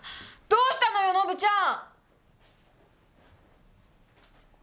どうしたのよノブちゃん！